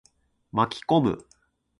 巻き込む。